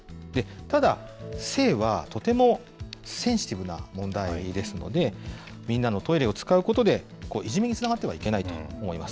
ただ、性はとてもセンシティブな問題ですので、みんなのトイレを使うことで、いじめにつながってはいけないと思います。